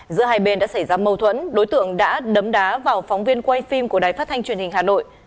giữa hai bên đã xảy ra mâu thuẫn đối tượng đã đấm đá vào phóng viên quay phim của đài phát thanh truyền hình hà nội